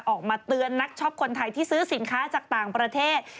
ออกมาเตือนนักช็อปคนไทยที่ซื้อสินค้าจากต่างประเทศ